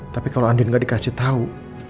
tapi kalau andin gak dikasih tau